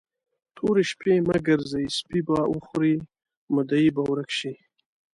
تورې شپې مه ګرځئ؛ سپي به وخوري، مدعي به ورک شي.